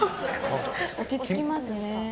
落ち着きますね。